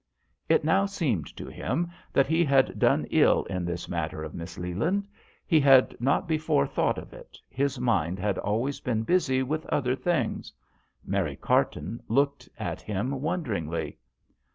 It now seemed to him that he had done ill in this matter of Miss Leland. He had not before thought of it his mind had always been busy with other things. Mary Carton looked at him wonderingly.